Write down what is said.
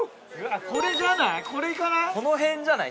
これじゃない？